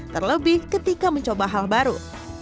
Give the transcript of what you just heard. terlebih ketika mencoba hal baru